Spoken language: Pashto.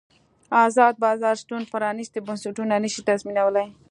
ازاد بازار شتون پرانیستي بنسټونه نه شي تضمینولی.